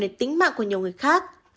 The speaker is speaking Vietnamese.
đến tính mạng của nhiều người khác